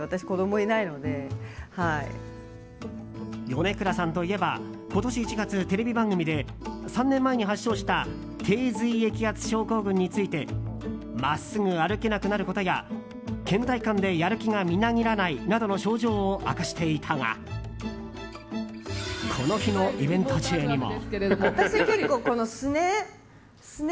米倉さんといえば今年１月、テレビ番組で３年前に発症した低髄液圧症候群について真っすぐ歩けなくなることや倦怠感でやる気がみなぎらないなどの症状を明かしていたがこの日のイベント中にも。